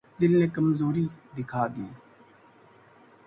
دل نے کمزوری دکھا دی۔